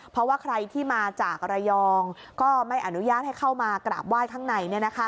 เพราะว่าใครที่มาจากระยองก็ไม่อนุญาตให้เข้ามากราบไหว้ข้างใน